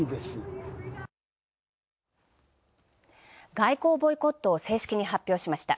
外交ボイコットを正式に発表しました。